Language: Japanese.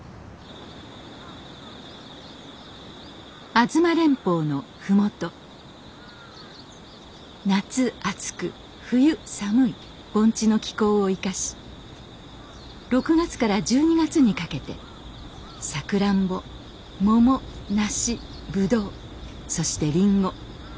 吾妻連峰の麓夏暑く冬寒い盆地の気候を生かし６月から１２月にかけてサクランボモモナシブドウそしてリンゴ。